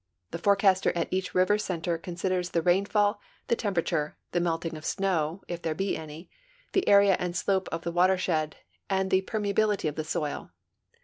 The forecaster at each river center con siders the rainfall, the temperature, tlie melting of snow, if tliere be any, the area and slope of the watershed, and the permea bility of tile soil.